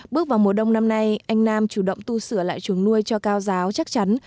bước vào mùa đông năm nay anh nam chủ động tu sửa lại chuồng nuôi cho cao giáo chắc chắn